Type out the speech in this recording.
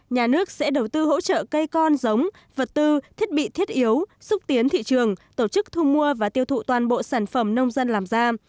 nhà nước sẽ đầu tư hỗ trợ cây con giống vật tư thiết bị thiết yếu xúc tiến thị trường tổ chức thu mua và tiêu thụ toàn bộ sản phẩm nông dân làm ra